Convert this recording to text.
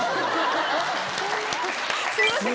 すいません